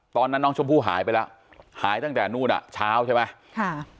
ตอนนั้นน้องชมพู่หายไปแล้วหายตั้งแต่นู่นอ่ะเช้าใช่ไหมค่ะ